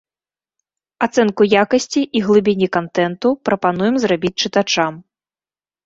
Ацэнку якасці і глыбіні кантэнту прапануем зрабіць чытачам.